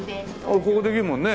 ここできるもんね